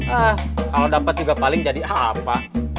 aduh kalau dapat juga paling jadi apa